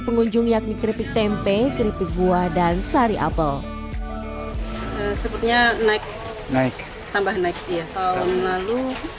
pengunjung yakni keripik tempe keripik buah dan sari apel sepertinya naik naik tambah naik tahun lalu